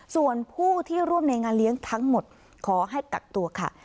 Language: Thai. ส่วนผู้ที่ร่วมในงานเลี้ยงทั้งหมดขอให้กักตัวค่ะ